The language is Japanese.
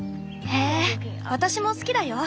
へえ私も好きだよ。